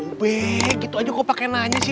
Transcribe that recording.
lo begitu aja gue pakai nanya sih